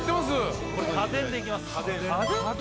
これ「家電」でいきます